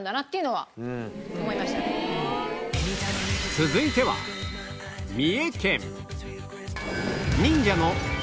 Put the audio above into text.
続いては三重県